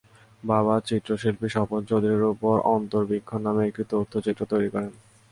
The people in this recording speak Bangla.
বাবা চিত্রশিল্পী স্বপন চৌধুরীর ওপর অন্তরবীক্ষণ নামে একটি তথ্যচিত্র তৈরি করেন।